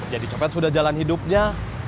jadi copet sudah jalan hidupnya